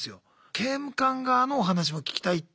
刑務官側のお話も聞きたいって。